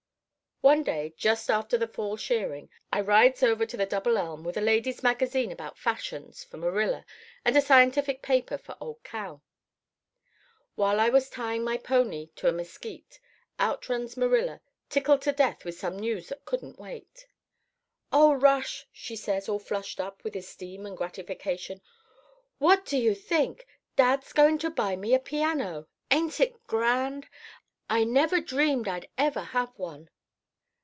"One day just after the fall shearing I rides over to the Double Elm with a lady's magazine about fashions for Marilla and a scientific paper for old Cal. "While I was tying my pony to a mesquite, out runs Marilla, 'tickled to death' with some news that couldn't wait. "'Oh, Rush,' she says, all flushed up with esteem and gratification, 'what do you think! Dad's going to buy me a piano. Ain't it grand? I never dreamed I'd ever have one."